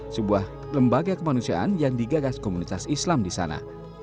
sebuah lembaga kemanusiaan yang digagas komunitas islam di sana